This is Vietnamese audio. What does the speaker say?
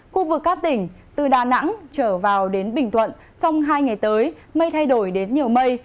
khu vực các tỉnh từ đà nẵng trở vào đến bình thuận trong hai ngày tới mây thay đổi đến nhiều mây